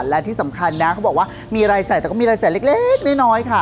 และที่สำคัญนะเขาบอกว่ามีรายจ่ายแต่ก็มีรายจ่ายเล็กน้อยค่ะ